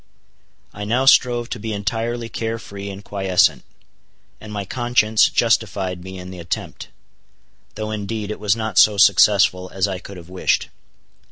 I now strove to be entirely care free and quiescent; and my conscience justified me in the attempt; though indeed it was not so successful as I could have wished.